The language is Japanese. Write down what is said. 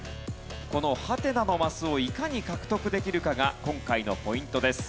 このハテナのマスをいかに獲得できるかが今回のポイントです。